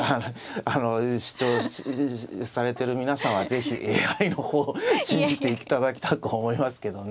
あの視聴されてる皆さんは是非ＡＩの方を信じていただきたく思いますけどね。